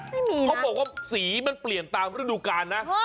ไม่มีนะเขาบอกว่าสีมันเปลี่ยนตามฤกษากาลนะ